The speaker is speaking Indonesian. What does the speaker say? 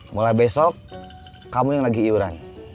mulai besok kamu yang lagi iuran